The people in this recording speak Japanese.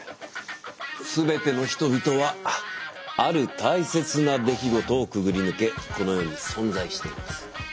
全ての人々はある大切な出来事をくぐり抜けこの世に存在しています。